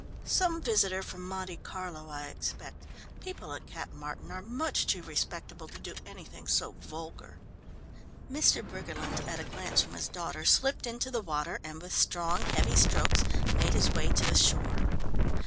"Some visitor from Monte Carlo, I expect. People at Cap Martin are much too respectable to do anything so vulgar." Mr. Briggerland, at a glance from his daughter, slipped into the water, and with strong heavy strokes, made his way to the shore.